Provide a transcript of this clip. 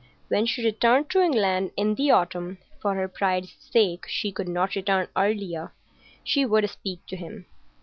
When she returned to England in the autumn—for her pride's sake she could not return earlier—she would speak to him.